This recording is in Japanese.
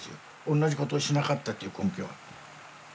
同じことをしなかったっていう根拠は。